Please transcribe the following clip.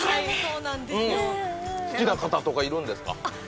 好きな方とかいるんですか。